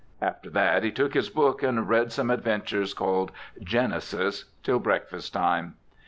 After that he took his book and read some adventures called "Genesis" till breakfast time.